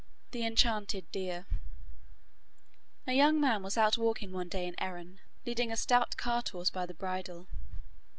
The Enchanted Deer A young man was out walking one day in Erin, leading a stout cart horse by the bridle.